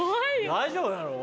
大丈夫なの？